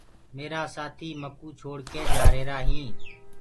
ميرآ سآٿيٚ مڪو ڇوڙڪي جآريهرائينٚ